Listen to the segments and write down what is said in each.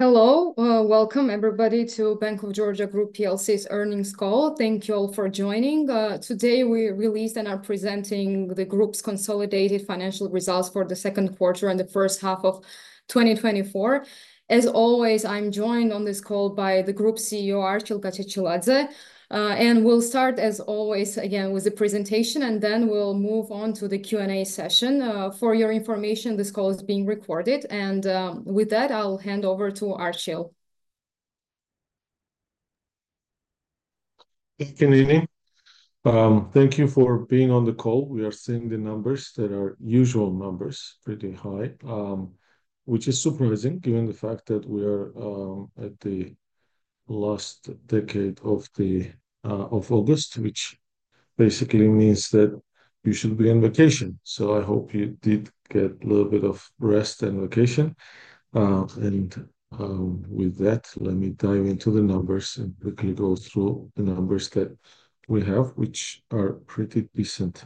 Hello, welcome everybody to Bank of Georgia Group PLC's earnings call. Thank you all for joining. Today, we released and are presenting the group's consolidated financial results for the second quarter and the first half of twenty twenty-four. As always, I'm joined on this call by the Group CEO, Archil Gachechiladze. And we'll start, as always, again, with the presentation, and then we'll move on to the Q&A session. For your information, this call is being recorded, and with that, I'll hand over to Archil. Good evening. Thank you for being on the call. We are seeing the numbers that are usual numbers, pretty high, which is surprising given the fact that we are at the last decade of August, which basically means that you should be on vacation. So I hope you did get a little bit of rest and vacation, and with that, let me dive into the numbers and quickly go through the numbers that we have, which are pretty decent,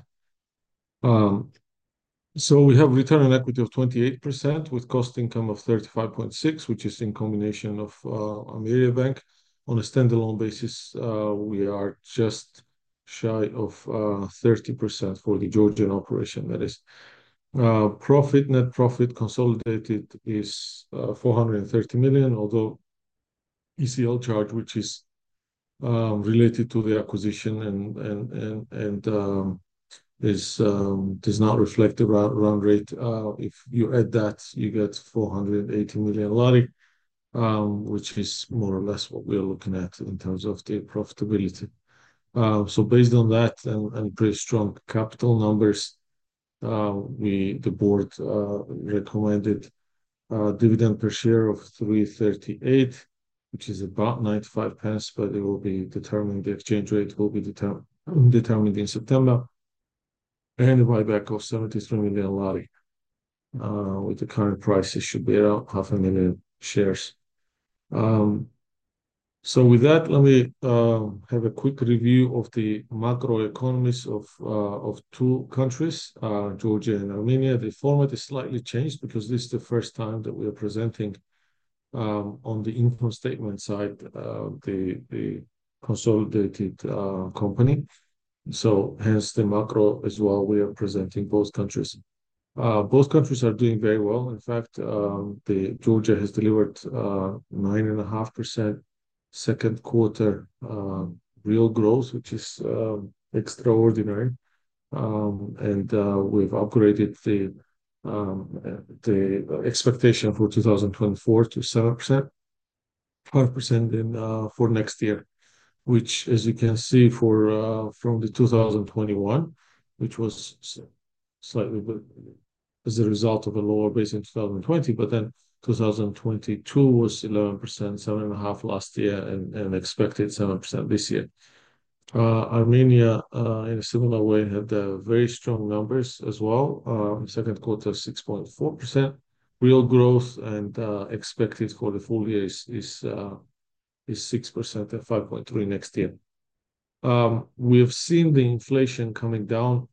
so we have return on equity of 28%, with cost income of 35.6%, which is in combination of Armeniabank. On a standalone basis, we are just shy of 30% for the Georgian operation that is. Profit, net profit, consolidated is 430 million, although ECL charge, which is related to the acquisition and this does not reflect the run rate. If you add that, you get 480 million lari, which is more or less what we are looking at in terms of the profitability. So based on that and pretty strong capital numbers, we, the board, recommended a dividend per share of 0.338, which is about 0.95 pounds, but it will be determined, the exchange rate will be determined in September, and a buyback of GEL 73 million. With the current prices, should be around 500,000 shares. So with that, let me have a quick review of the macro economies of two countries, Georgia and Armenia. The format is slightly changed because this is the first time that we are presenting on the income statement side, the consolidated company, so hence the macro as well. We are presenting both countries. Both countries are doing very well. In fact, Georgia has delivered 9.5% second quarter real growth, which is extraordinary. And we've upgraded the expectation for 2024 to 7%, 5% for next year, which, as you can see, from 2021, which was slightly, but as a result of a lower base in 2020, but then 2022 was 11%, 7.5% last year, and expected 7% this year. Armenia, in a similar way, had very strong numbers as well. Second quarter, 6.4%. Real growth and expected for the full year is 6% and 5.3% next year. We have seen the inflation coming down.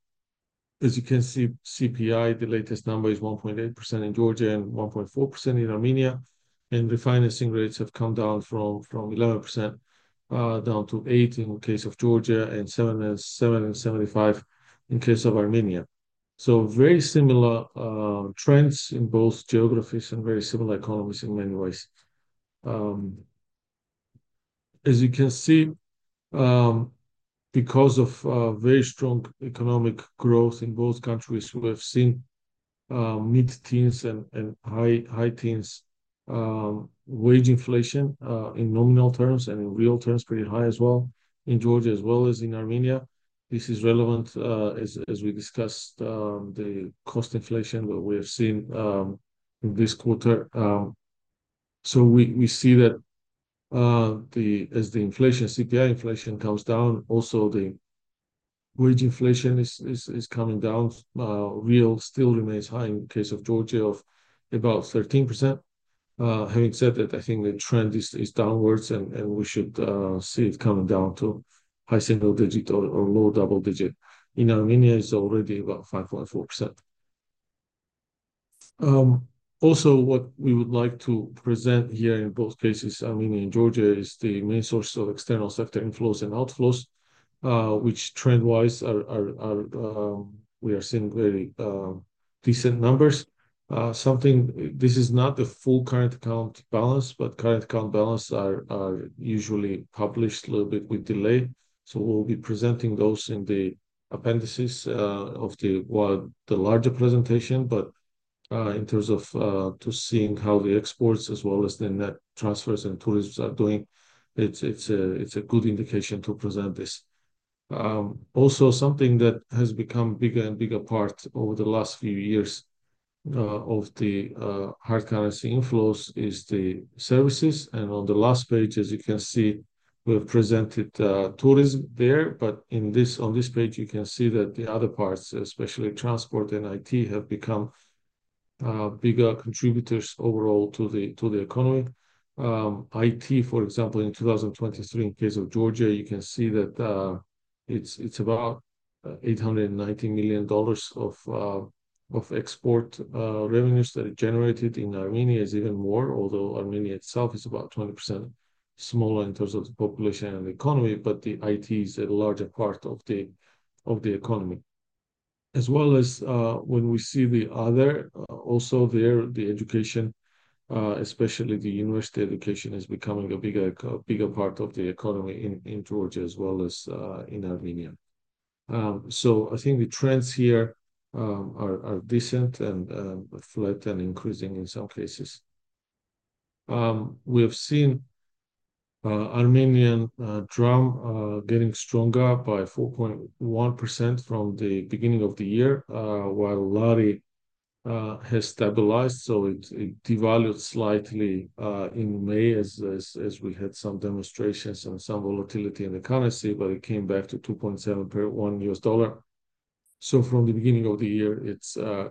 As you can see, CPI, the latest number is 1.8% in Georgia and 1.4% in Armenia, and the financing rates have come down from 11%, down to 8% in the case of Georgia, and 7.75% in case of Armenia. So very similar trends in both geographies and very similar economies in many ways. As you can see, because of very strong economic growth in both countries, we have seen mid-teens and high teens wage inflation in nominal terms and in real terms, pretty high as well, in Georgia as well as in Armenia. This is relevant, as we discussed, the cost inflation what we have seen in this quarter. So we see that as the inflation, CPI inflation comes down, also the wage inflation is coming down. Real still remains high in case of Georgia, of about 13%. Having said that, I think the trend is downwards, and we should see it coming down to high single digit or low double digit. In Armenia, it's already about 5.4%. Also, what we would like to present here in both cases, Armenia and Georgia, is the main source of external sector inflows and outflows, which trend-wise we are seeing very decent numbers. This is not the full current account balance, but current account balance are usually published a little bit with delay, so we'll be presenting those in the appendices of the larger presentation. But in terms of to seeing how the exports as well as the net transfers and tourisms are doing, it's a good indication to present this. Also, something that has become bigger and bigger part over the last few years of the hard currency inflows is the services, and on the last page, as you can see, we have presented tourism there, but on this page, you can see that the other parts, especially transport and IT, have become bigger contributors overall to the economy. IT, for example, in 2023, in case of Georgia, you can see that it's about $890 million of export revenues that are generated in Armenia is even more, although Armenia itself is about 20% smaller in terms of the population and the economy, but the IT is a larger part of the economy. As well as, when we see the other, also there, the education, especially the university education, is becoming a bigger part of the economy in Georgia as well as in Armenia. I think the trends here are decent and flat and increasing in some cases. We have seen Armenian dram getting stronger by 4.1% from the beginning of the year, while lari has stabilized, so it devalued slightly in May as we had some demonstrations and some volatility in the currency, but it came back to 2.7 per $1. From the beginning of the year, it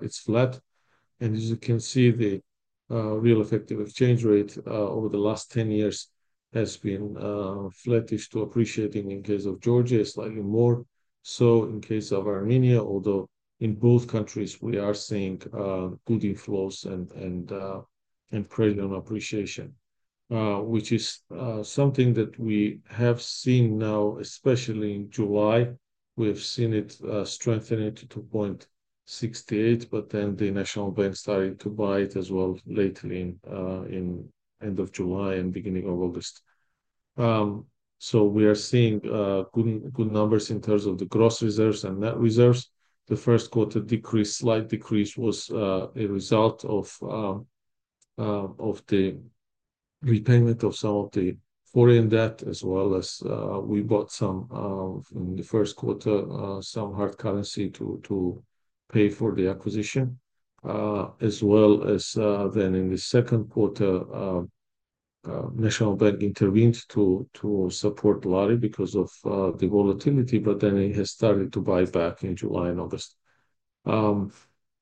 is flat, and as you can see, the real effective exchange rate over the last 10 years has been flattish to appreciating in case of Georgia, slightly more so in case of Armenia, although in both countries, we are seeing good inflows and currency appreciation, which is something that we have seen now, especially in July. We have seen it strengthen it to two point sixty-eight, but then the National Bank started to buy it as well lately in end of July and beginning of August. So we are seeing good, good numbers in terms of the gross reserves and net reserves. The first quarter decrease, slight decrease, was a result of the repayment of some of the foreign debt as well as we bought some in the first quarter some hard currency to pay for the acquisition. As well as then in the second quarter National Bank intervened to support lari because of the volatility, but then it has started to buy back in July and August.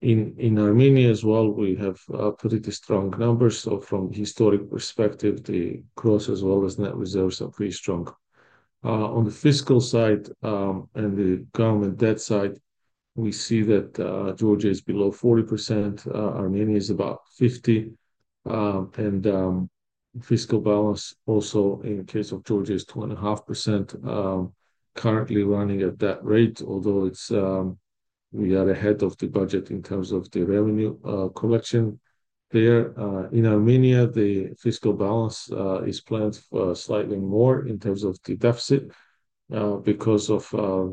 In Armenia as well, we have pretty strong numbers. From historical perspective, the gross as well as net reserves are pretty strong. On the fiscal side, and the government debt side, we see that Georgia is below 40%, Armenia is about 50%, and fiscal balance also in the case of Georgia is 2.5%, currently running at that rate, although it's we are ahead of the budget in terms of the revenue collection there. In Armenia, the fiscal balance is planned for slightly more in terms of the deficit because of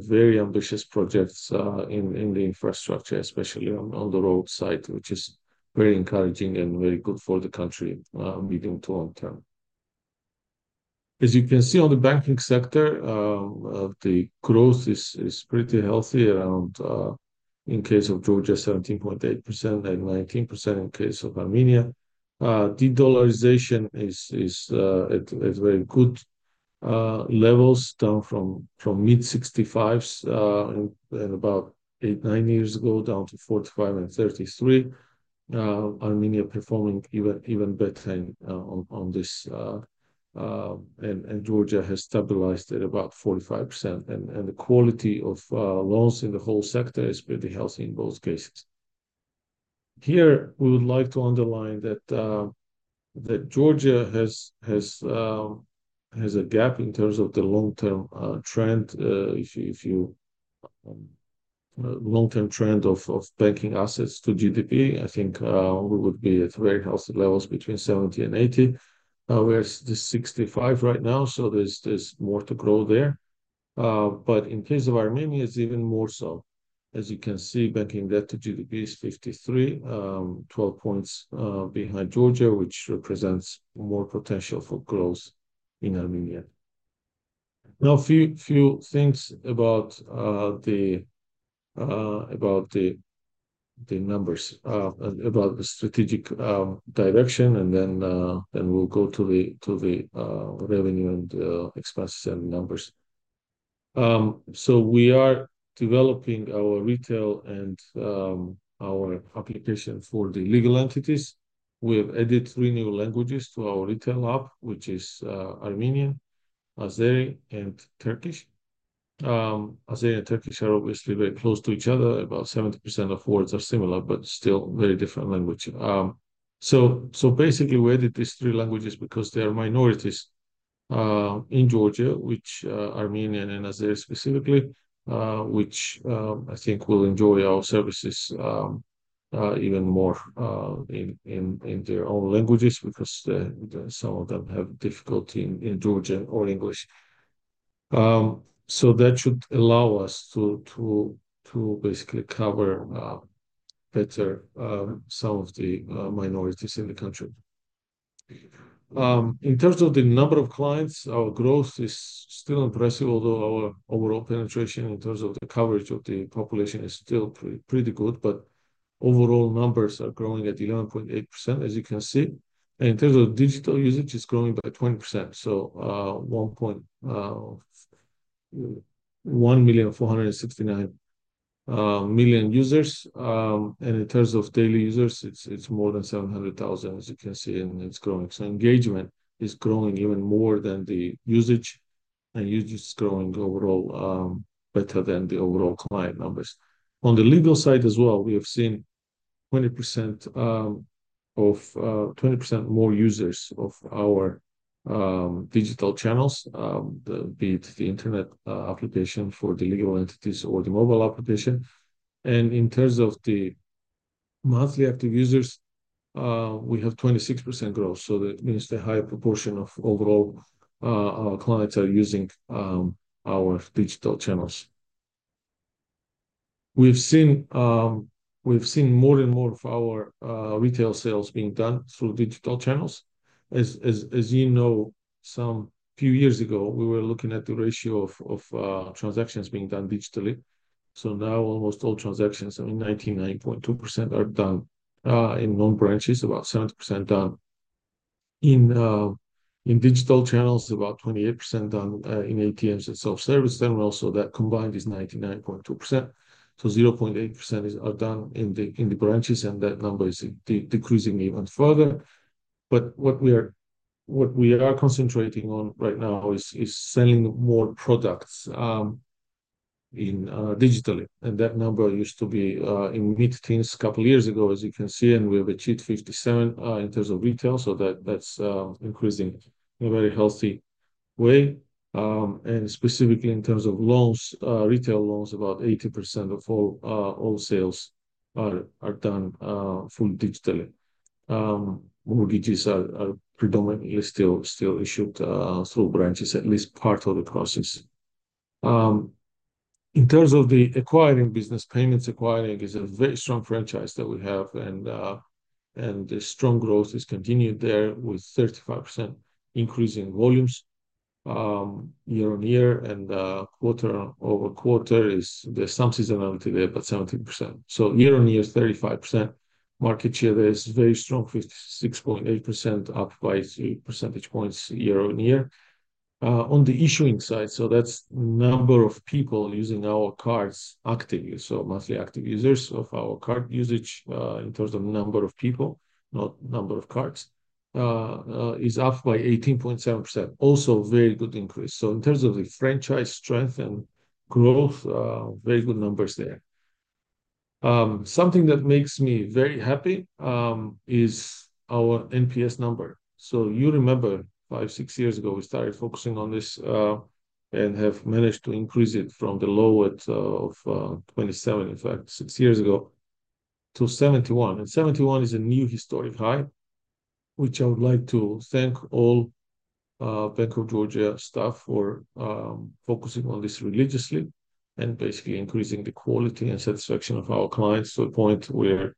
very ambitious projects in the infrastructure, especially on the road side, which is very encouraging and very good for the country, medium to long term. As you can see on the banking sector, the growth is pretty healthy around, in case of Georgia, 17.8% and 19% in case of Armenia. De-dollarization is at very good levels, down from mid-65%, and about 8-9 years ago, down to 45% and 33%. Armenia performing even better on this, and Georgia has stabilized at about 45%, and the quality of loans in the whole sector is pretty healthy in both cases. Here, we would like to underline that Georgia has a gap in terms of the long-term trend. If you long-term trend of banking assets to GDP, I think we would be at very healthy levels between 70 and 80. We're at the 65 right now, so there's more to grow there, but in case of Armenia, it's even more so. As you can see, banking debt to GDP is 53, 12 points behind Georgia, which represents more potential for growth in Armenia. Now, a few things about the numbers, about the strategic direction, and then we'll go to the revenue and expenses and numbers, so we are developing our retail and our application for the legal entities. We have added three new languages to our retail app, which is Armenian, Azeri, and Turkish. Azeri and Turkish are obviously very close to each other. About 70% of words are similar, but still very different language. So basically, we added these three languages because they are minorities in Georgia, which Armenian and Azeri specifically, which I think will enjoy our services even more in their own languages because some of them have difficulty in Georgian or English. So that should allow us to basically cover better some of the minorities in the country. In terms of the number of clients, our growth is still impressive, although our overall penetration in terms of the coverage of the population is still pretty good, but overall numbers are growing at 11.8%, as you can see. In terms of digital usage, it's growing by 20%, so 1.469 million users. And in terms of daily users, it's more than 700,000, as you can see, and it's growing, so engagement is growing even more than the usage, and usage is growing overall better than the overall client numbers. On the legal side as well, we have seen 20% more users of our digital channels, be it the internet application for the legal entities or the mobile application. And in terms of the monthly active users, we have 26% growth, so that means the higher proportion of overall our clients are using our digital channels. We've seen more and more of our retail sales being done through digital channels. As you know, some few years ago, we were looking at the ratio of transactions being done digitally. So now almost all transactions, I mean, 99.2% are done in non-branches, about 70% done in digital channels, about 28% done in ATMs and self-service channels, so that combined is 99.2%. So 0.8% are done in the branches, and that number is decreasing even further. But what we are concentrating on right now is selling more products digitally, and that number used to be in mid-teens a couple of years ago, as you can see, and we have achieved 57 in terms of retail, so that's increasing in a very healthy way. And specifically in terms of loans, retail loans, about 80% of all sales are done fully digitally. Mortgages are predominantly still issued through branches, at least part of the process. In terms of the acquiring business, payments acquiring is a very strong franchise that we have, and the strong growth is continued there, with 35% increase in volumes, year on year, and quarter over quarter is 17%. There's some seasonality there, but 17%. So year on year is 35%. Market share there is very strong, 56.8%, up by three percentage points year on year. On the issuing side, so that's number of people using our cards actively, so monthly active users of our card usage, in terms of number of people, not number of cards, is up by 18.7%. Also a very good increase. So in terms of the franchise strength and growth, very good numbers there. Something that makes me very happy is our NPS number. So you remember five, six years ago, we started focusing on this, and have managed to increase it from the low of 27, in fact, six years ago, to 71, and 71 is a new historic high, which I would like to thank all Bank of Georgia staff for focusing on this religiously and basically increasing the quality and satisfaction of our clients to a point where,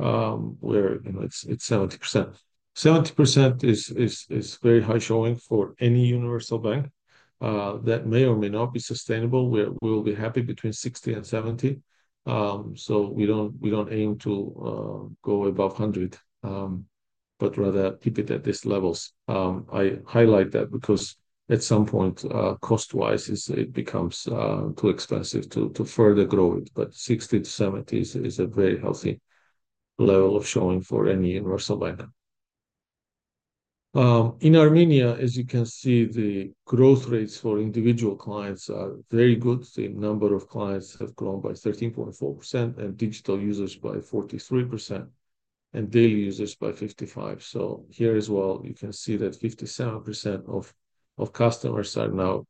you know, it's 70%. 70% is very high showing for any universal bank. That may or may not be sustainable. We'll be happy between 60 and 70. So we don't aim to go above 100, but rather keep it at these levels. I highlight that because at some point, cost-wise, it becomes too expensive to further grow it, but 60-70 is a very healthy level of showing for any universal bank. In Armenia, as you can see, the growth rates for individual clients are very good. The number of clients have grown by 13.4%, and digital users by 43%, and daily users by 55%. So here as well, you can see that 57% of customers are now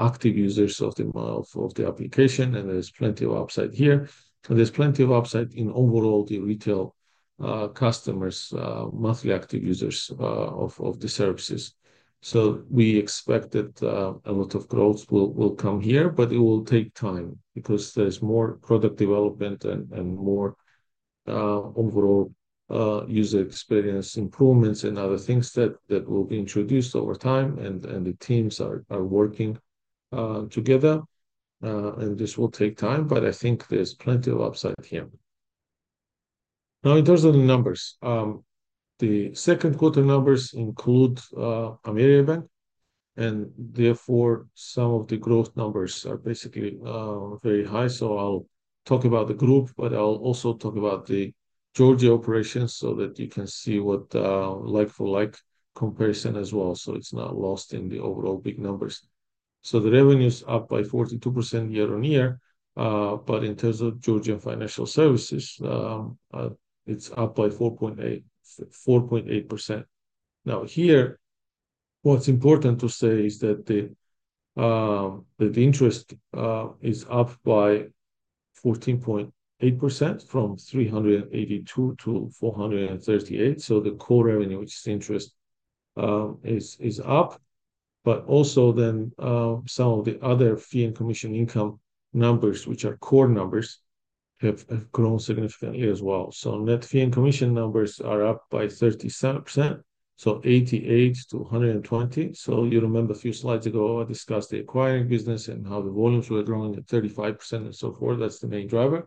active users of the mobile application, and there's plenty of upside here, and there's plenty of upside in overall the retail customers monthly active users of the services. So we expect that a lot of growth will come here, but it will take time because there's more product development and more overall user experience improvements and other things that will be introduced over time, and the teams are working together, and this will take time, but I think there's plenty of upside here. Now, in terms of the numbers, the second quarter numbers include Amira Bank, and therefore, some of the growth numbers are basically very high. So I'll talk about the group, but I'll also talk about the Georgia operations so that you can see what like for like comparison as well, so it's not lost in the overall big numbers. So the revenue is up by 42% year on year, but in terms of Georgian financial services, it's up by 4.8%. Now, here, what's important to say is that the interest is up by 14.8% from 382 to 438. So the core revenue, which is interest, is up, but also then some of the other fee and commission income numbers, which are core numbers, have grown significantly as well. So net fee and commission numbers are up by 37%, so 88 to 120. So you remember a few slides ago, I discussed the acquiring business and how the volumes were growing at 35% and so forth. That's the main driver.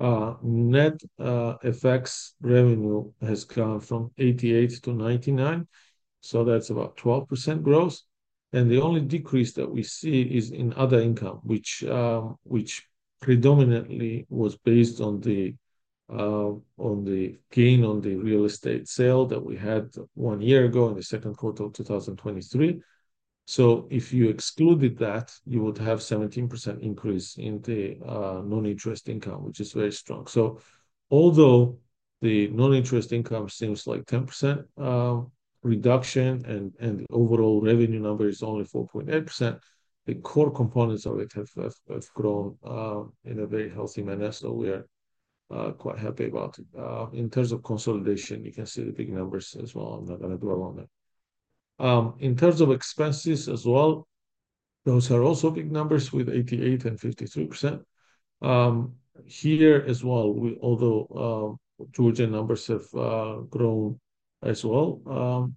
Net effects revenue has come from 88-99, so that's about 12% growth. The only decrease that we see is in other income, which predominantly was based on the gain on the real estate sale that we had one year ago in the second quarter of 2023. If you excluded that, you would have 17% increase in the non-interest income, which is very strong. Although the non-interest income seems like 10% reduction and the overall revenue number is only 4.8%, the core components of it have grown in a very healthy manner. We are quite happy about it. In terms of consolidation, you can see the big numbers as well. I'm not gonna dwell on that. In terms of expenses as well, those are also big numbers, with 88% and 53%. Here as well, although Georgian numbers have grown as well,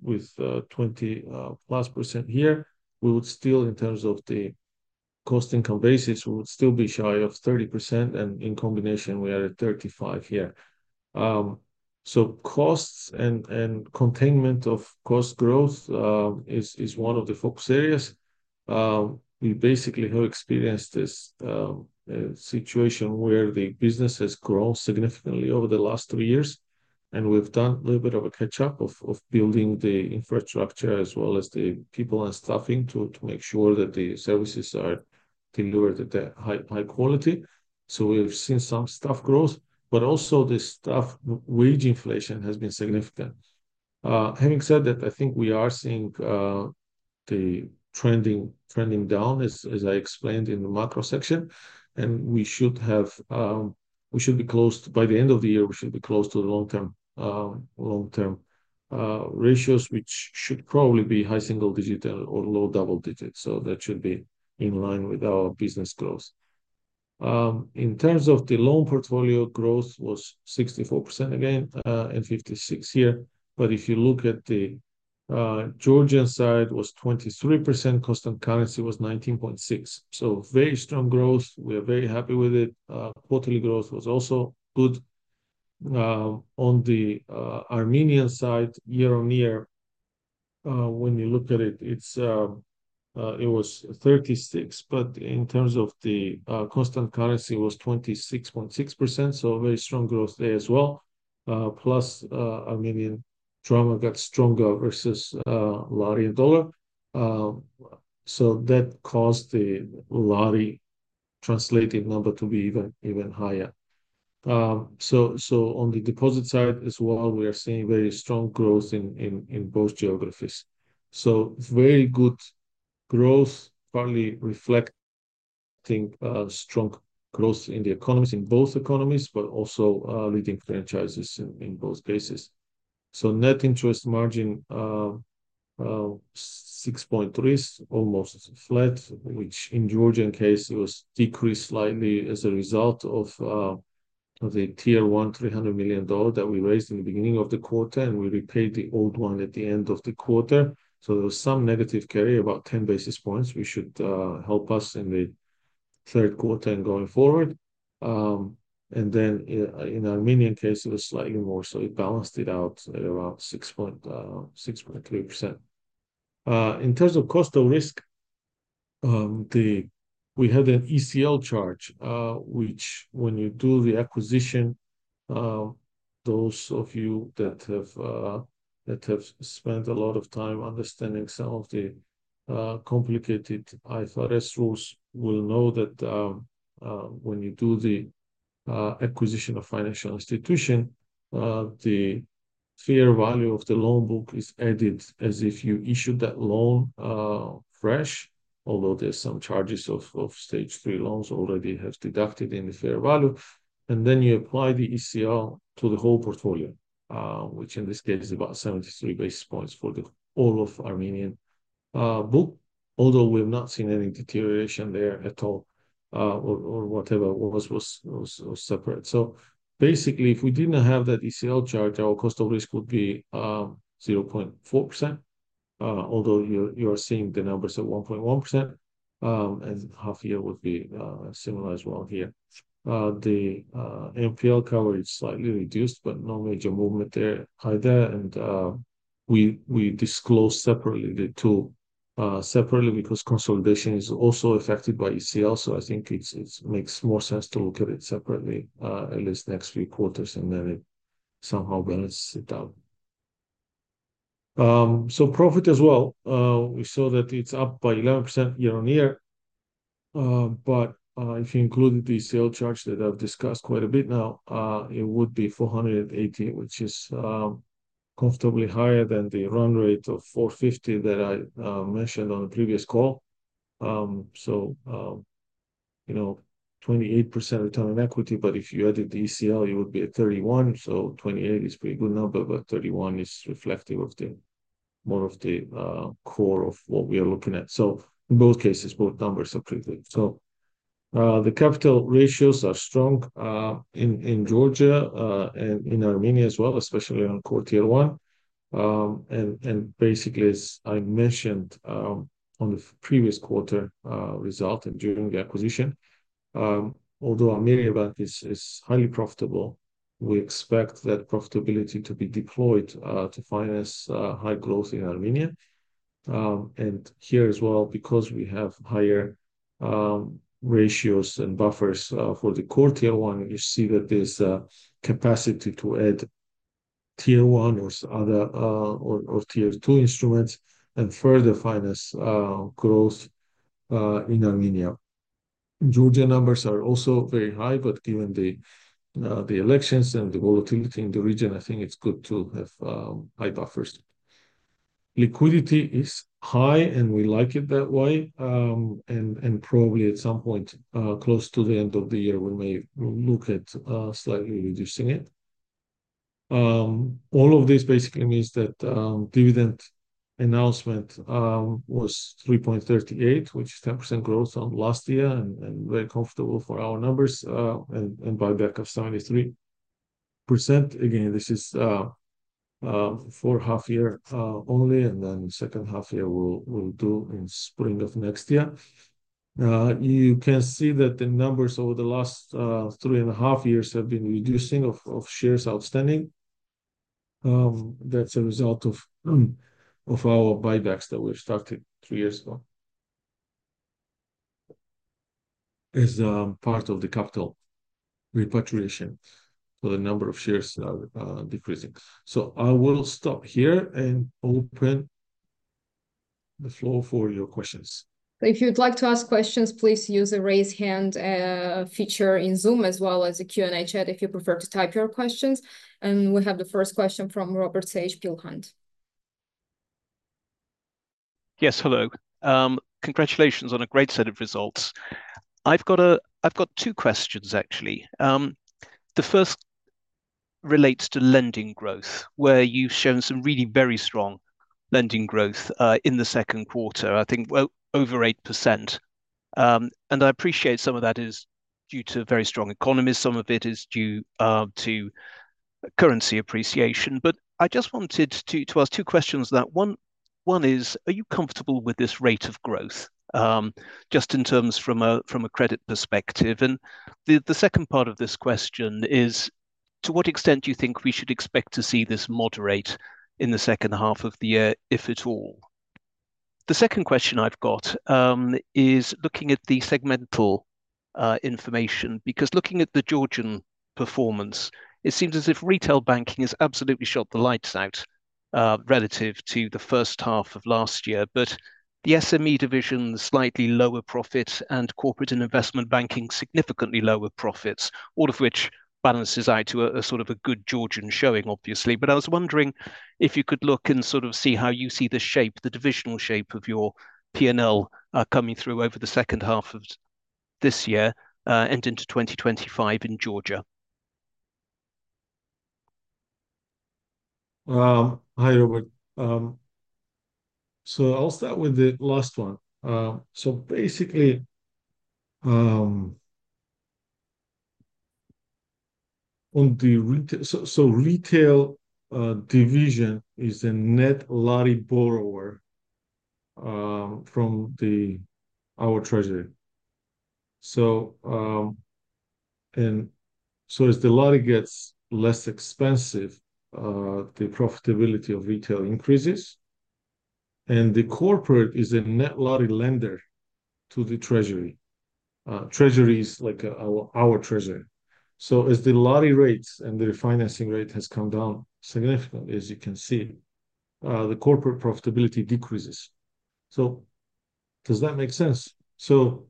with 20+% here, we would still, in terms of the cost income basis, we would still be shy of 30%, and in combination, we are at 35% here. So costs and containment of cost growth is one of the focus areas. We basically have experienced this situation where the business has grown significantly over the last three years, and we've done a little bit of a catch-up of building the infrastructure as well as the people and staffing to make sure that the services are delivered at a high quality. So we've seen some staff growth, but also the staff wage inflation has been significant. Having said that, I think we are seeing the trending down as I explained in the macro section, and we should have we should be close. By the end of the year, we should be close to the long-term ratios, which should probably be high single digit or low double digits, so that should be in line with our business growth. In terms of the loan portfolio, growth was 64% again, and 56% here. But if you look at the Georgian side, was 23%, constant currency was 19.6%. So very strong growth. We are very happy with it. Quarterly growth was also good. On the Armenian side, year-on-year, when you look at it, it was 36%, but in terms of the constant currency, it was 26.6%, so a very strong growth there as well. Plus, Armenian dram got stronger versus lari and dollar. So that caused the lari translating number to be even higher. So on the deposit side as well, we are seeing very strong growth in both geographies. So very good growth, partly reflecting strong growth in the economies, in both economies, but also leading franchises in both cases. Net interest margin, 6.3% is almost flat, which in Georgian case, it was decreased slightly as a result of the Tier 1 $300 million that we raised in the beginning of the quarter, and we repaid the old one at the end of the quarter. So there was some negative carry, about ten basis points, which should help us in the third quarter and going forward. And then in Armenian case, it was slightly more, so it balanced it out at around 6.3%. In terms of cost of risk, we had an ECL charge, which when you do the acquisition, those of you that have spent a lot of time understanding some of the complicated IFRS rules will know that, when you do the acquisition of financial institution, the fair value of the loan book is added as if you issued that loan fresh, although there are some charges of stage three loans already have deducted in the fair value. And then you apply the ECL to the whole portfolio, which in this case is about seventy-three basis points for all of the Armenian book, although we've not seen any deterioration there at all, or whatever was separate. So basically, if we didn't have that ECL charge, our cost of risk would be 0.4%, although you are seeing the numbers at 1.1%, and half year would be similar as well here. The NPL coverage slightly reduced, but no major movement there either. And we disclose separately the two separately because consolidation is also affected by ECL, so I think it's makes more sense to look at it separately, at least the next few quarters, and then it somehow balances it out. So profit as well. We saw that it's up by 11% year-on-year. But if you include the ECL charge that I've discussed quite a bit now, it would be 480, which is comfortably higher than the run rate of 450 that I mentioned on the previous call. So, you know, 28% return on equity, but if you added the ECL, you would be at 31. So 28 is pretty good number, but 31 is reflective of the more of the core of what we are looking at. So in both cases, both numbers are pretty good. So, the capital ratios are strong in Georgia and in Armenia as well, especially on core Tier 1. And basically, as I mentioned, on the previous quarter result and during the acquisition, although Armeriabank is highly profitable, we expect that profitability to be deployed to finance high growth in Armenia. And here as well, because we have higher ratios and buffers for the core Tier 1, you see that there's a capacity to add Tier 1 or other or Tier 2 instruments and further finance growth in Armenia. Georgia numbers are also very high, but given the elections and the volatility in the region, I think it's good to have high buffers. Liquidity is high, and we like it that way, and probably at some point close to the end of the year, we may look at slightly reducing it. All of this basically means that dividend announcement was 3.38, which is 10% growth on last year and very comfortable for our numbers, and buyback of 73%. Again, this is for half year only, and then second half year, we'll do in spring of next year. You can see that the numbers over the last three and a half years have been reducing of shares outstanding. That's a result of our buybacks that we started three years ago as part of the capital repatriation. So the number of shares are decreasing. So I will stop here and open the floor for your questions. If you'd like to ask questions, please use the Raise Hand feature in Zoom, as well as the Q&A chat if you prefer to type your questions, and we have the first question from Robert Sage. Yes, hello. Congratulations on a great set of results. I've got two questions, actually. The first relates to lending growth, where you've shown some really very strong lending growth in the second quarter, I think, well, over 8%. And I appreciate some of that is due to very strong economy, some of it is due to currency appreciation. But I just wanted to ask two questions on that. One is, are you comfortable with this rate of growth? Just in terms from a credit perspective. And the second part of this question is: to what extent do you think we should expect to see this moderate in the second half of the year, if at all? The second question I've got is looking at the segmental information, because looking at the Georgian performance, it seems as if retail banking has absolutely shut the lights out relative to the first half of last year. But the SME division, slightly lower profit, and corporate and investment banking, significantly lower profits, all of which balances out to a sort of good Georgian showing, obviously. But I was wondering if you could look and sort of see how you see the shape, the divisional shape of your PNL coming through over the second half of this year and into twenty twenty-five in Georgia. Hi, Robert. So I'll start with the last one. So basically, on the retail division is a net lari borrower from our treasury. So as the lari gets less expensive, the profitability of retail increases, and the corporate is a net lari lender to the treasury. Treasury is like our treasury. So as the lari rates and the refinancing rate has come down significantly, as you can see, the corporate profitability decreases. So does that make sense? So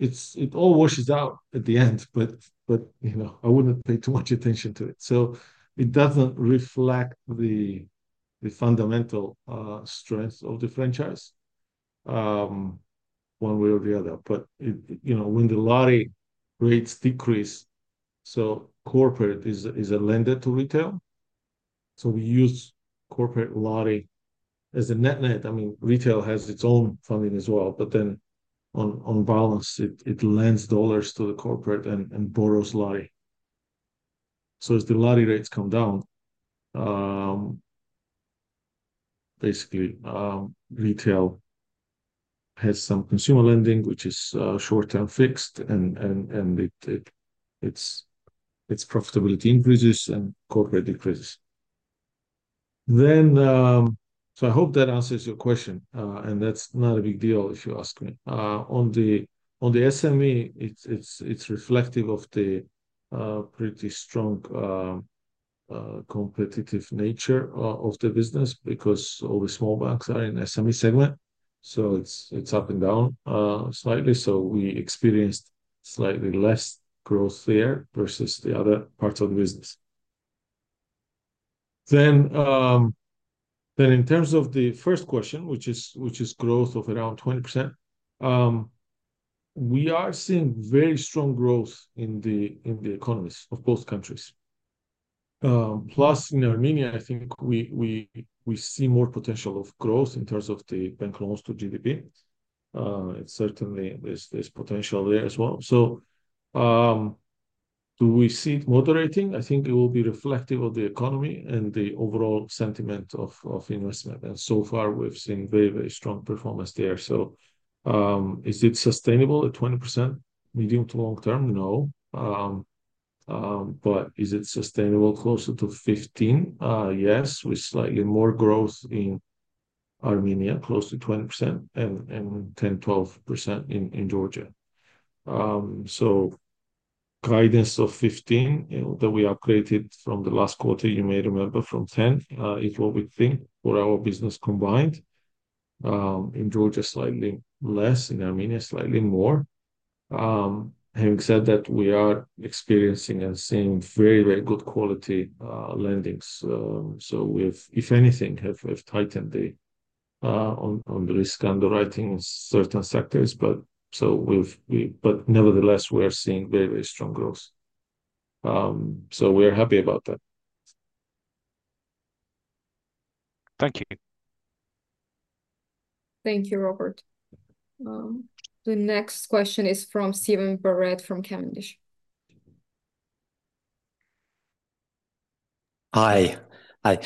it all washes out at the end, but you know, I wouldn't pay too much attention to it. So it doesn't reflect the fundamental strength of the franchise, one way or the other. But it, you know, when the lari rates decrease, so corporate is a lender to retail, so we use corporate lari as a net-net. I mean, retail has its own funding as well, but then on balance, it lends dollars to the corporate and borrows lari. So as the lari rates come down, basically, retail has some consumer lending, which is short-term fixed, and it, its profitability increases and corporate decreases. Then so I hope that answers your question, and that's not a big deal, if you ask me. On the SME, it's reflective of the pretty strong competitive nature of the business, because all the small banks are in SME segment, so it's up and down slightly. So we experienced slightly less growth there versus the other parts of the business. Then in terms of the first question, which is growth of around 20%, we are seeing very strong growth in the economies of both countries. Plus, in Armenia, I think we see more potential of growth in terms of the bank loans to GDP. It certainly, there's potential there as well. Do we see it moderating? I think it will be reflective of the economy and the overall sentiment of investment, and so far we've seen very, very strong performance there. Is it sustainable at 20% medium to long term? No. But is it sustainable closer to 15%? Yes, with slightly more growth in Armenia, close to 20% and 10-12% in Georgia, so guidance of 15%, you know, that we upgraded from the last quarter, you may remember from 10%, is what we think for our business combined. In Georgia, slightly less. In Armenia, slightly more. Having said that, we are experiencing and seeing very, very good quality lending. So, we've, if anything, tightened up on the risk underwriting in certain sectors, but nevertheless, we are seeing very, very strong growth, so we are happy about that. Thank you. Thank you, Robert. The next question is from Stephen Birrell, from Cavendish. Hi. Hi,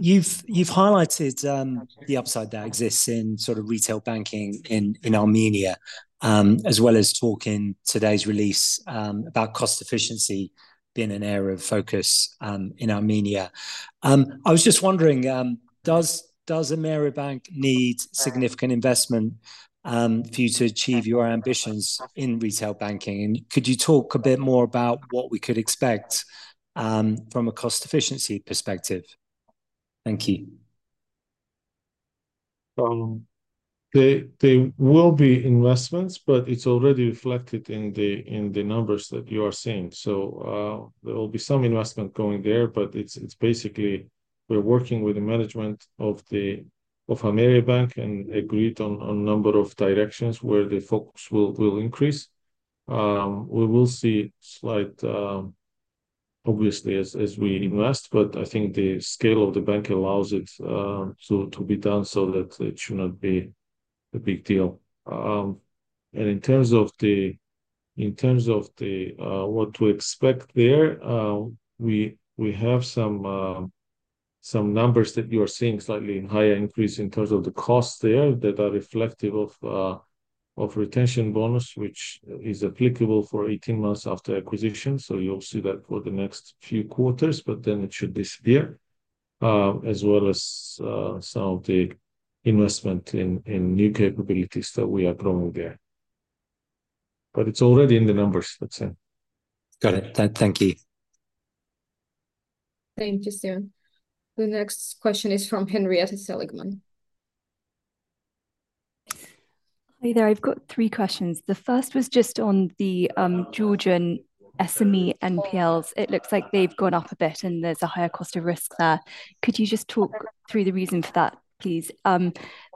you've highlighted the upside that exists in sort of retail banking in Armenia, as well as talk in today's release about cost efficiency being an area of focus in Armenia. I was just wondering, does Ameriabank need significant investment for you to achieve your ambitions in retail banking? And could you talk a bit more about what we could expect from a cost efficiency perspective? Thank you. There will be investments, but it's already reflected in the numbers that you are seeing. So, there will be some investment going there, but it's basically we're working with the management of Ameriabank and agreed on a number of directions where the focus will increase. We will see slight, obviously, as we invest, but I think the scale of the bank allows it, so to be done, so that it should not be a big deal. In terms of the what to expect there, we have some numbers that you are seeing slightly higher increase in terms of the costs there that are reflective of retention bonus, which is applicable for eighteen months after acquisition. So you'll see that for the next few quarters, but then it should disappear. As well as some of the investment in new capabilities that we are growing there, but it's already in the numbers, that's it. Got it. Thank you. Thank you, Steven. The next question is from Henrietta Seligman. Hi there. I've got three questions. The first was just on the Georgian SME NPLs. It looks like they've gone up a bit, and there's a higher cost of risk there. Could you just talk through the reason for that, please? The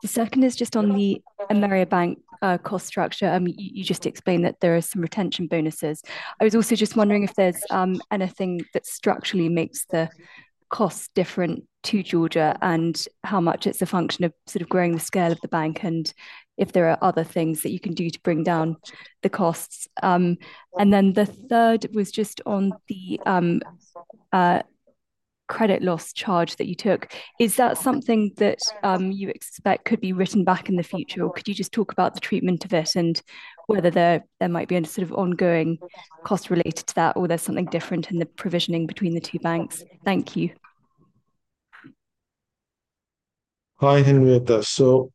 second is just on the Ameria Bank cost structure. You just explained that there are some retention bonuses. I was also just wondering if there's anything that structurally makes the cost different to Georgia and how much it's a function of sort of growing the scale of the bank and if there are other things that you can do to bring down the costs. And then the third was just on the credit loss charge that you took. Is that something that you expect could be written back in the future, or could you just talk about the treatment of it and whether there might be any sort of ongoing cost related to that, or there's something different in the provisioning between the two banks? Thank you. Hi, Henrietta. So,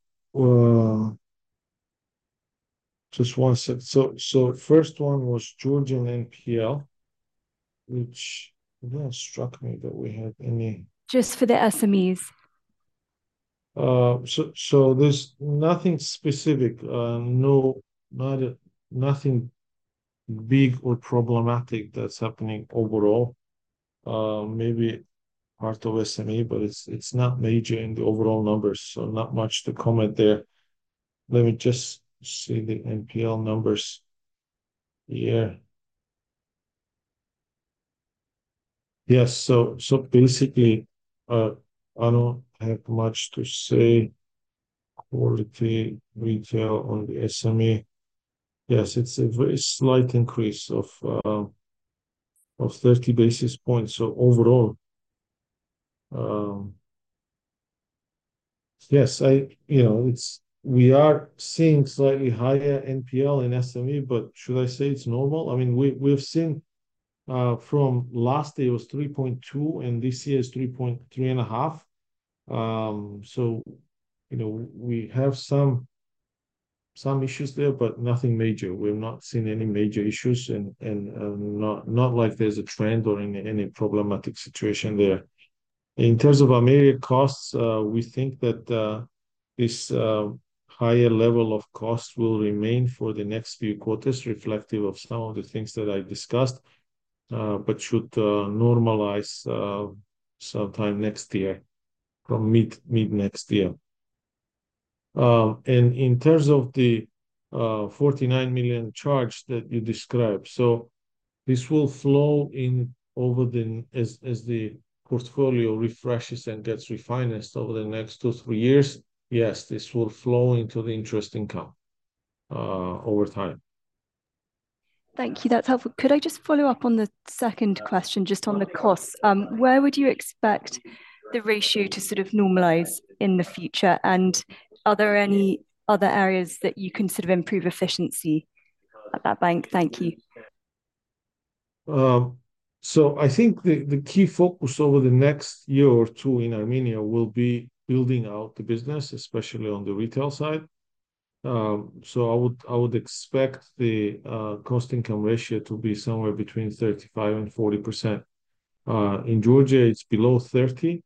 just one sec. So, first one was Georgian NPL, which it not struck me that we had any. Just for the SMEs. So, there's nothing specific, no, not nothing big or problematic that's happening overall. Maybe part of SME, but it's not major in the overall numbers, so not much to comment there. Let me just see the NPL numbers. Yeah. Yes, so basically, I don't have much to say. Quality retail on the SME. Yes, it's a very slight increase of thirty basis points. So overall, yes, I... You know, it's, we are seeing slightly higher NPL in SME, but should I say it's normal? I mean, we've seen, from last year was three point two, and this year is three point three and a half. So, you know, we have some issues there, but nothing major. We've not seen any major issues and not like there's a trend or any problematic situation there. In terms of Ameriabank costs, we think that this higher level of costs will remain for the next few quarters, reflective of some of the things that I've discussed, but should normalize sometime next year, from mid next year. And in terms of the forty-nine million charge that you described, so this will flow in over the as the portfolio refreshes and gets refinanced over the next two, three years. Yes, this will flow into the interest income over time. Thank you. That's helpful. Could I just follow up on the second question, just on the costs? Where would you expect the ratio to sort of normalize in the future, and are there any other areas that you can sort of improve efficiency at that bank? Thank you. So I think the key focus over the next year or two in Armenia will be building out the business, especially on the retail side. I would expect the cost-to-income ratio to be somewhere between 35% and 40%. In Georgia, it's below 30%.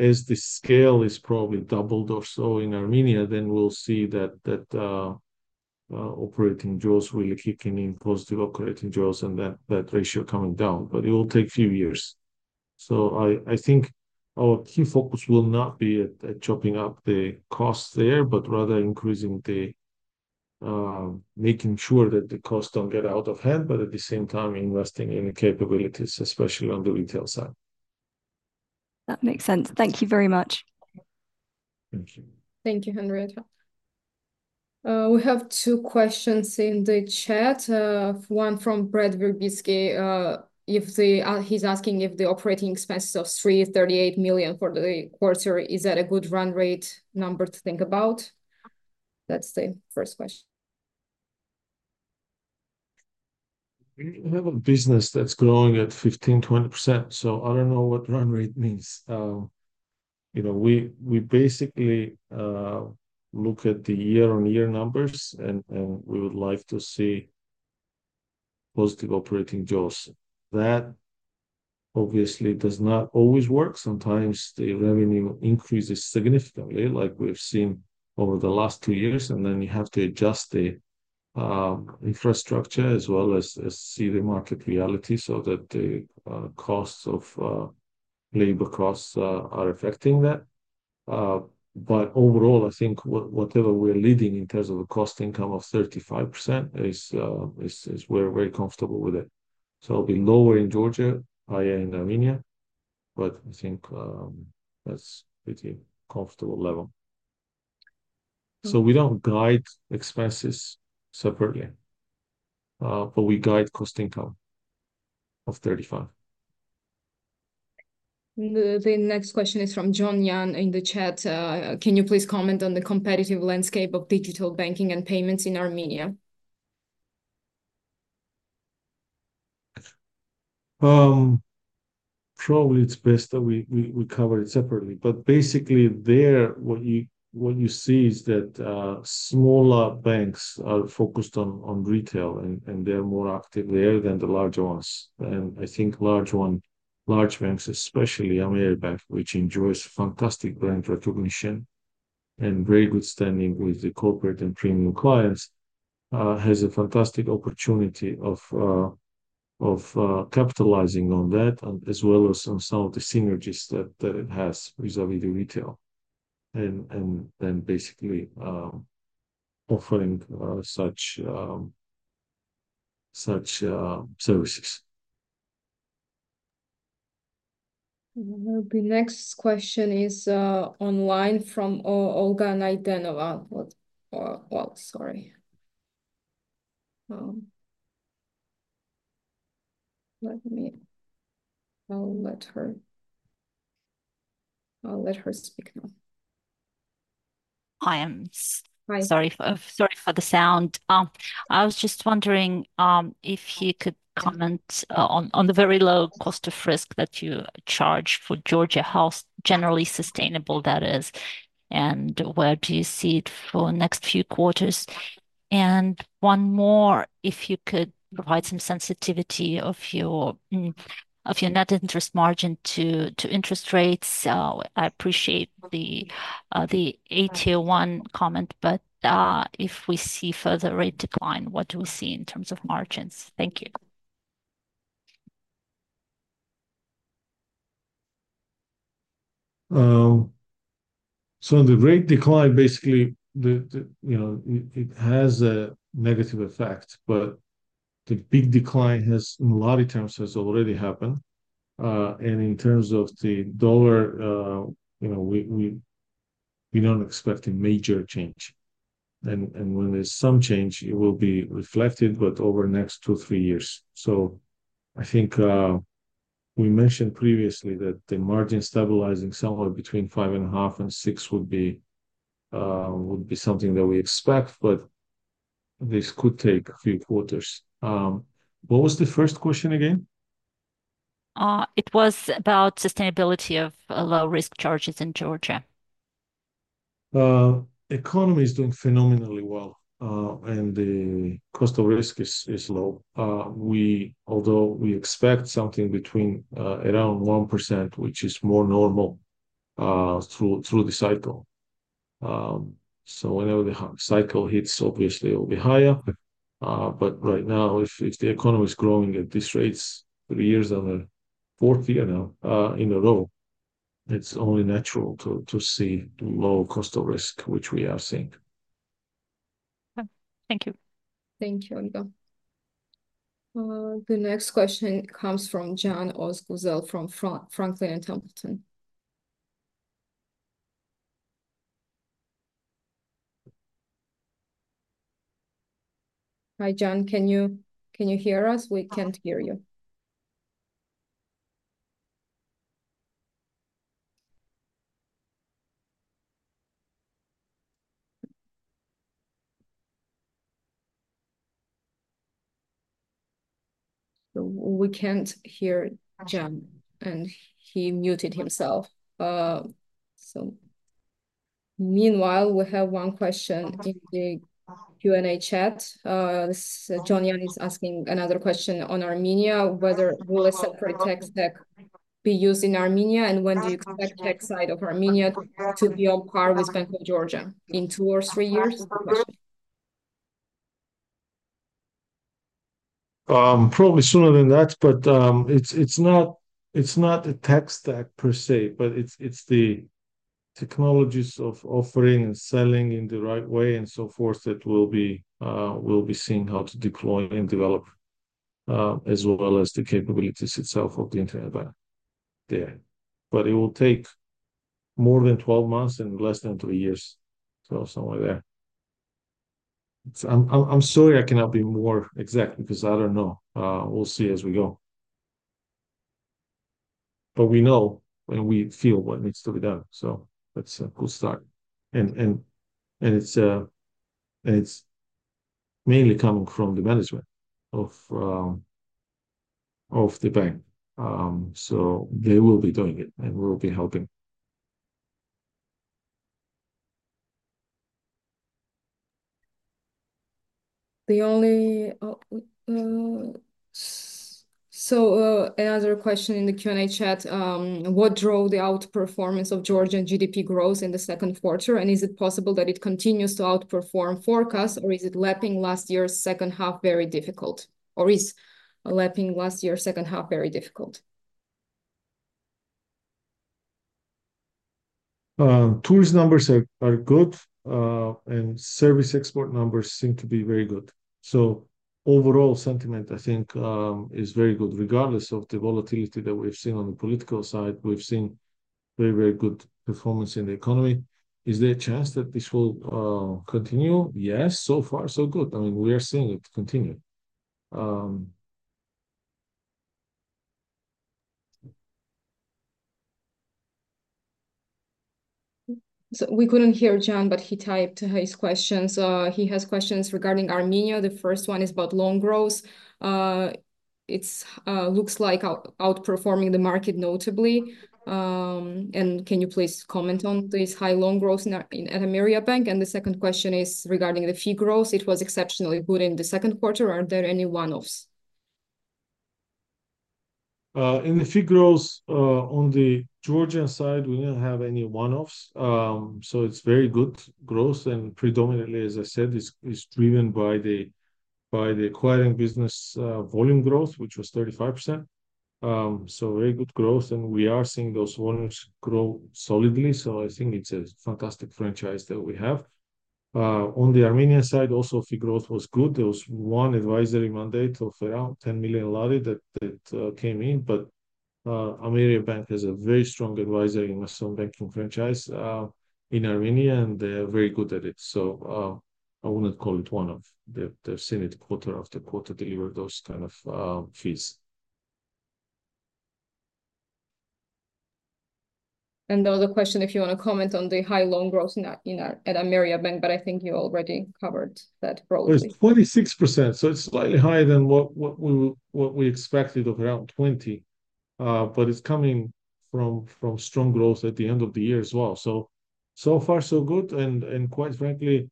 As the scale is probably doubled or so in Armenia, then we'll see that operating jaws really kicking in, positive operating jaws, and that ratio coming down, but it will take a few years, so I think our key focus will not be at chopping up the costs there, but rather making sure that the costs don't get out of hand, but at the same time, investing in the capabilities, especially on the retail side. That makes sense. Thank you very much. Thank you. Thank you, Henrietta. We have two questions in the chat, one from Brad Virbisky. He's asking if the operating expenses of 338 million for the quarter is that a good run rate number to think about? That's the first question. We have a business that's growing at 15-20%, so I don't know what run rate means. You know, we basically look at the year-on-year numbers, and we would like to see positive operating jaws. That obviously does not always work. Sometimes the revenue increases significantly, like we've seen over the last two years, and then you have to adjust the infrastructure as well as see the market reality so that the costs of labor costs are affecting that. But overall, I think whatever we're leading in terms of the cost income of 35% is we're very comfortable with it. So it'll be lower in Georgia, higher in Armenia, but I think that's pretty comfortable level. So we don't guide expenses separately, but we guide cost income of 35%. The next question is from John Yang in the chat: "Can you please comment on the competitive landscape of digital banking and payments in Armenia? Probably it's best that we cover it separately, but basically there, what you see is that smaller banks are focused on retail, and they're more active there than the larger ones, and I think large banks, especially Ameria Bank, which enjoys fantastic brand recognition and very good standing with the corporate and premium clients, has a fantastic opportunity of capitalizing on that, as well as on some of the synergies that it has vis-à-vis the retail, and basically offering such services. The next question is online from Olga Naydenova. I'll let her speak now. Hi, I'm Hi. Sorry for, sorry for the sound. I was just wondering if you could comment on the very low cost of risk that you charge for Georgia, how generally sustainable that is, and where do you see it for next few quarters? And one more, if you could provide some sensitivity of your of your net interest margin to to interest rates. I appreciate the the AT1 comment, but if we see further rate decline, what do we see in terms of margins? Thank you. So the rate decline, basically, you know, it has a negative effect, but the big decline, in a lot of terms, has already happened. And in terms of the dollar, you know, we don't expect a major change, and when there's some change, it will be reflected, but over the next two, three years. So I think we mentioned previously that the margin stabilizing somewhere between 5.5% and 6% would be something that we expect, but this could take a few quarters. What was the first question again? It was about sustainability of low-risk charges in Georgia. The economy is doing phenomenally well, and the cost of risk is low. Although we expect something between around 1%, which is more normal through the cycle. So whenever the cycle hits, obviously it will be higher. But right now, if the economy is growing at this rates, three years and a fourth year now in a row, it's only natural to see low cost of risk, which we are seeing. Thank you. Thank you, Olga. The next question comes from Can Ozguzel from Franklin Templeton. Hi, Can. Can you hear us? We can't hear you. So we can't hear Can, and he muted himself. Meanwhile, we have one question in the Q&A chat. John Yang is asking another question on Armenia, whether, "Will a separate tech stack be used in Armenia, and when do you expect the tech side of Armenia to be on par with Bank of Georgia? In two or three years? Probably sooner than that, but it's not a tech stack per se, but it's the technologies of offering and selling in the right way, and so forth, that we'll be seeing how to deploy and develop, as well as the capabilities itself of the internet bank there. But it will take more than twelve months and less than three years, so somewhere there. I'm sorry I cannot be more exact, because I don't know. We'll see as we go. But we know and we feel what needs to be done, so that's a good start, and it's mainly coming from the management of the bank. So they will be doing it, and we'll be helping. The only, so another question in the Q&A chat: What drove the outperformance of Georgian GDP growth in the second quarter, and is it possible that it continues to outperform forecasts, or is lapping last year's second half very difficult? Tourist numbers are good, and service export numbers seem to be very good. So overall sentiment, I think, is very good. Regardless of the volatility that we've seen on the political side, we've seen very, very good performance in the economy. Is there a chance that this will continue? Yes, so far so good. I mean, we are seeing it continue. So we couldn't hear John, but he typed his questions. He has questions regarding Armenia. The first one is about loan growth. It looks like outperforming the market notably. And can you please comment on this high loan growth in, at Ameriabank? And the second question is regarding the fee growth. It was exceptionally good in the second quarter. Are there any one-offs? In the fee growth, on the Georgian side, we didn't have any one-offs. So it's very good growth, and predominantly, as I said, is driven by the acquiring business, volume growth, which was 35%. So very good growth, and we are seeing those volumes grow solidly, so I think it's a fantastic franchise that we have. On the Armenian side, also, fee growth was good. There was one advisory mandate of around 10 million GEL that came in, but Ameriabank has a very strong advisory in SME banking franchise in Armenia, and they are very good at it. So I wouldn't call it one-off. They've seen it quarter after quarter deliver those kind of fees. The other question, if you wanna comment on the high loan growth in our at Ameriabank, but I think you already covered that broadly. It's 26%, so it's slightly higher than what we expected of around 20%, but it's coming from strong growth at the end of the year as well, so far so good, and quite frankly,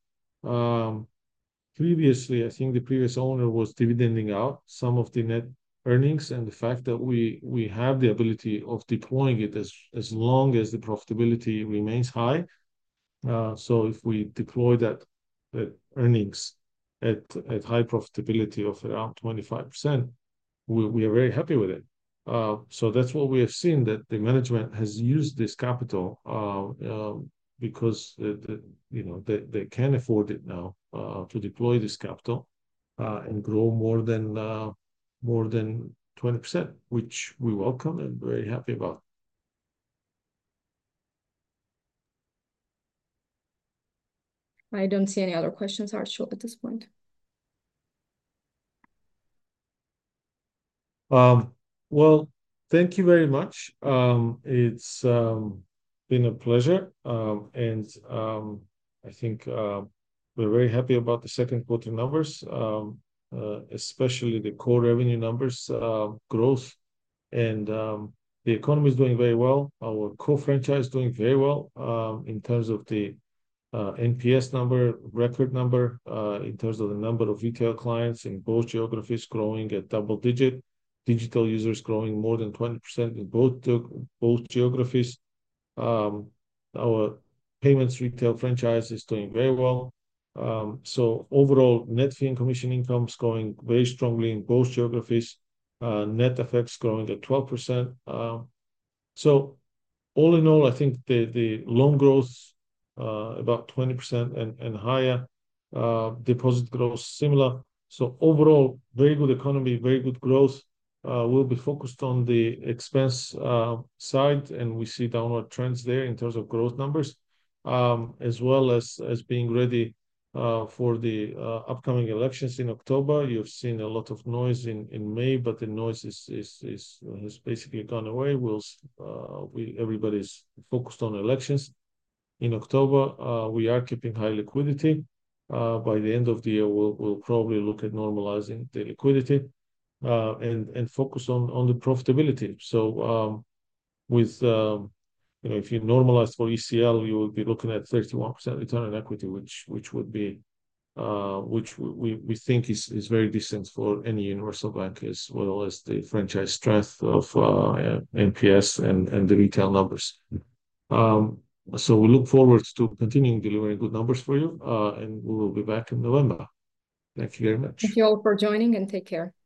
previously, I think the previous owner was dividending out some of the net earnings, and the fact that we have the ability of deploying it as long as the profitability remains high, so if we deploy that, the earnings at high profitability of around 25%, we are very happy with it, so that's what we have seen, that the management has used this capital because, you know, they can afford it now to deploy this capital and grow more than 20%, which we welcome and very happy about. I don't see any other questions, Archil, at this point. Well, thank you very much. It's been a pleasure, and I think we're very happy about the second quarter numbers. Especially the core revenue numbers growth, and the economy is doing very well. Our core franchise is doing very well in terms of the NPS number, record number in terms of the number of retail clients in both geographies growing at double digit. Digital users growing more than 20% in both geographies. Our payments retail franchise is doing very well. So overall net fee and commission income is growing very strongly in both geographies. Net fees growing at 12%. So all in all, I think the loan growth about 20% and higher. Deposit growth, similar. So overall, very good economy, very good growth. We'll be focused on the expense side, and we see downward trends there in terms of growth numbers, as well as being ready for the upcoming elections in October. You've seen a lot of noise in May, but the noise has basically gone away. Everybody's focused on elections in October. We are keeping high liquidity. By the end of the year, we'll probably look at normalizing the liquidity, and focus on the profitability. So, with... You know, if you normalize for ECL, you will be looking at 31% return on equity, which would be, we think is very decent for any universal bank, as well as the franchise strength of NPS and the retail numbers. We look forward to continuing delivering good numbers for you, and we will be back in November. Thank you very much. Thank you all for joining, and take care. Bye.